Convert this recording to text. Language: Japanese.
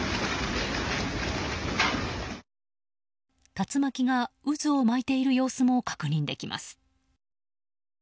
竜巻が渦を巻いている様子も確認できます。